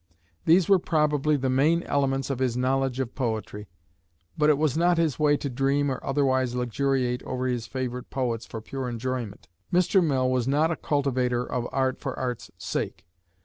These were probably the main elements of his knowledge of poetry. But it was not his way to dream or otherwise luxuriate over his favorite poets for pure enjoyment. Mr. Mill was not a cultivator of art for art's sake.